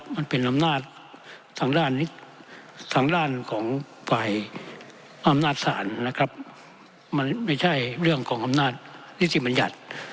มันเป็นอำนาจทางด้านของฝ่ายอำนาจศาลมันไม่ใช่เรื่องของอำนาจฤทธิบัญญัติ